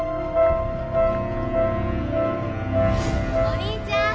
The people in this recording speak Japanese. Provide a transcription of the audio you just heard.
お兄ちゃん！